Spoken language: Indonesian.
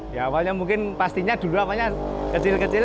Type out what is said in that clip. ya awalnya mungkin pastinya dulu apanya kecil kecil